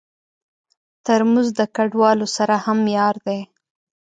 ترموز د کډوالو سره هم یار دی.